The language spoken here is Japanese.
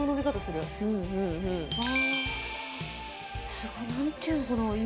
すごいなんていうのかな